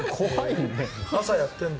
朝やってるんだ？